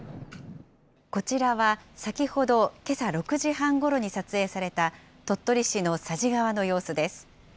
こちらは先ほど、けさ６時半ごろに撮影された、鳥取市の佐治川の様子です。